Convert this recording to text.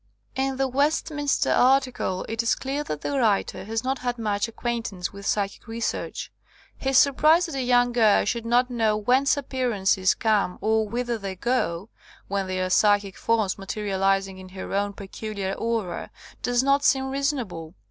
In the Westminster article it is clear that the writer has not had much acquaintance with psychic research. His surprise that a young girl should not know whence appear ances come or whither they go, when they are psychic forms materializing in her own peculiar aura, does not seem reasonable.